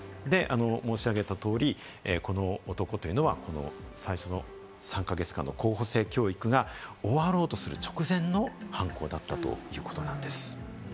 申し上げた通り、この男というのは最初の３か月間の候補生教育が終わろうとする直前の犯行だったということなんです。